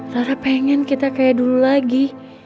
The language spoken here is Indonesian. rasa pengen kita kayak dulu lagi